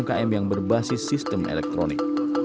umkm yang berbasis sistem elektronik